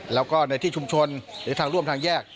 แล้วก็ในที่ชุมชนหรือทางร่วมทางแยก